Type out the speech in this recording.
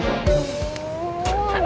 gue kelaperan lagi